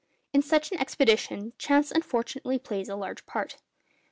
In such an expedition, chance unfortunately plays a large part.